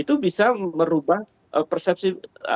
itu bisa merubah persepsi